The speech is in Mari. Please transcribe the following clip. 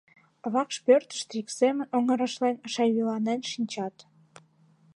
Вакш пӧртыштӧ, ик семын оҥырешлен, шайвиланен шинчат.